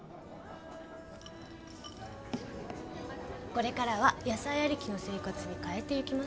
これからは野菜ありきの生活に変えていきますからね。